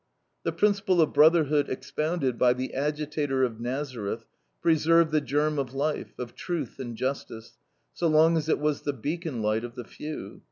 The principle of brotherhood expounded by the agitator of Nazareth preserved the germ of life, of truth and justice, so long as it was the beacon light of the few.